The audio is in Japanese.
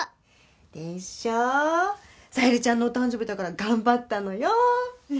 でしょ、さゆりちゃんのお誕生日だから頑張ったのよ。